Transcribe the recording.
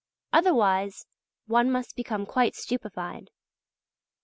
Otherwise one must become quite stupefied.